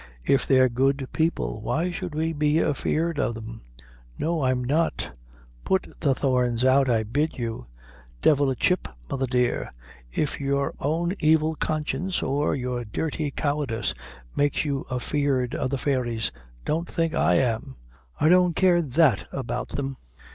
"If they're good people, why should we be afeard o' them? No, I'm not." "Put the thorns out, I bid you again." "Divil a chip, mother dear; if your own evil conscience or your dirty cowardice makes you afeard o' the fairies, don't think I am. I don't care that about them.